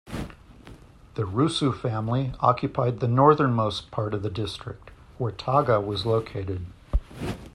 The Rusu family occupied the northernmost part of the district, where Taga was located.